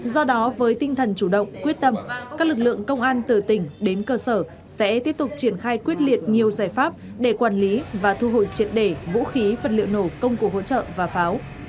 do đó với tinh thần chủ động quyết tâm các lực lượng công an từ tỉnh đến cơ sở sẽ tiếp tục triển khai quyết liệt nhiều giải pháp để quản lý và thu hồi triệt đề vũ khí vật liệu nổ công cụ hỗ trợ và pháo